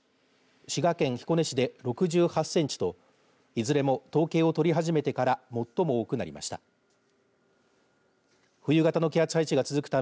滋賀県彦根市で６８センチといずれも統計を取り始めてから最も多くなりました。